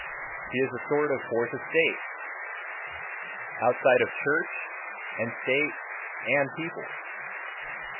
He is a sort of fourth estate, outside of Church and State and People.